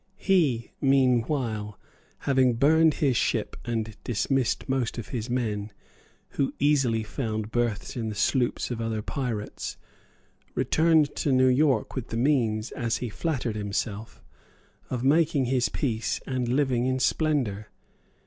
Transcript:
He meanwhile, having burned his ship and dismissed most of his men, who easily found berths in the sloops of other pirates, returned to New York with the means, as he flattered himself, of making his peace and of living in splendour.